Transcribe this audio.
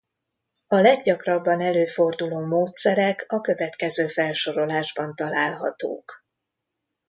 A leggyakrabban előforduló módszerek a következő felsorolásban találhatók.